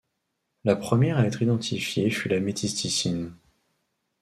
La première à être identifiée fut la méthysticine.